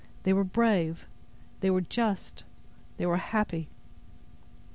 They were brave; they were just; they were happy."